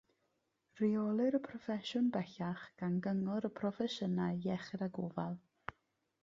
Rheolir y proffesiwn bellach gan Gyngor y Proffesiynau Iechyd a Gofal.